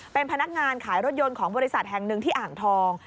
เป็นพนักงานขายรถยนต์ของบริษัทแห่งหนึ่งที่อ่างทอง